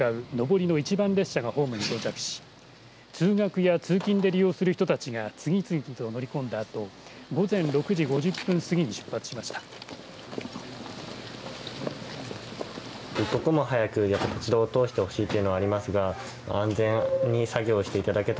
このうち、家山駅では午前６時半過ぎ金谷駅に向かう上りの一番列車がホームに到着し通学や通勤で利用する人たちが次々と乗り込んだあと午前６時５０分過ぎに出発しました。